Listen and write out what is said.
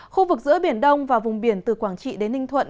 khu vực giữa biển đông và vùng biển từ quảng trị đến ninh thuận